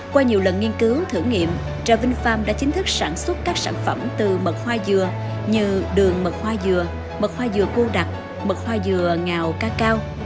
qua nhiều lần nghiên cứu thử nghiệm trà vinh farm đã chính thức sản xuất các sản phẩm từ mật hoa dừa như đường mật hoa dừa mật hoa dừa cô đặc mật hoa dừa ngào ca cao